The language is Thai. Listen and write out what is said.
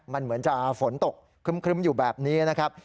มันเหมือนจะฝนตกครึ้มอยู่แบบนี้นะครับ